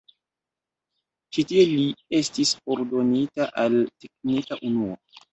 Ĉi tie li estis ordonita al teknika unuo.